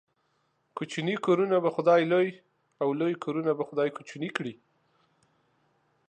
کوچني کورونه به خداى لوى ، او لوى کورونه به خداى کوچني کړي.